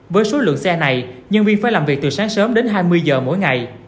với số lượng xe này nhân viên phải làm việc từ sáng sớm đến hai mươi giờ mỗi ngày